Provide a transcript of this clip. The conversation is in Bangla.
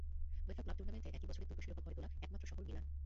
উয়েফা ক্লাব টুর্নামেন্টে একই বছরে দুটো শিরোপা ঘরে তোলা একমাত্র শহর মিলান।